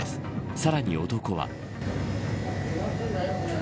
さらに男は。